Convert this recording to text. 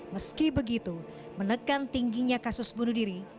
meski begitu menekan tingginya kasus bunuh diri